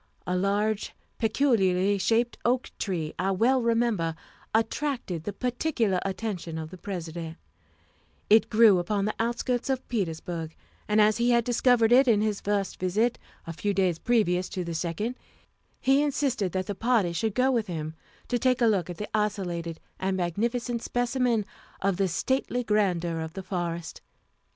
A large, peculiarly shaped oak tree, I well remember, attracted the particular attention of the President; it grew upon the outskirts of Petersburg, and as he had discovered it on his first visit, a few days previous to the second, he insisted that the party should go with him to take a look at the isolated and magnificent specimen of the stately grandeur of the forest.